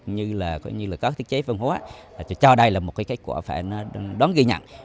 như là có thiết chế văn hóa cho đây là một cái kết quả phải đón ghi nhận